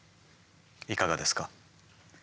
いかがですか？